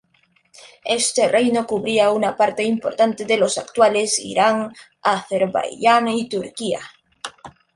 Este reino cubría una parte importante de los actuales Irán, Azerbaiyán y Turquía.